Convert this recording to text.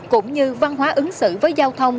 cũng như văn hóa ứng xử với giao thông